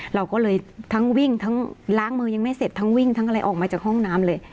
เราก็เลยทั้งวิ่งทั้งล้างมือยังไม่เสร็จทั้งวิ่งทั้งอะไรออกมาจากห้องน้ำเลย